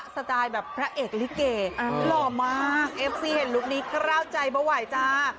สไตล์แบบพระเอกหรือเก่อ๋อหล่อมากเอฟซีเห็นลุคนี้ก็ร่าวใจปะไหวจ้า